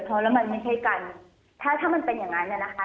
เพราะมันไม่เคยกันถ้ามันเป็นอย่างนั้นเนี่ยนะคะ